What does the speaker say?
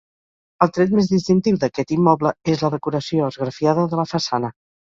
El tret més distintiu d'aquest immoble és la decoració esgrafiada de la façana.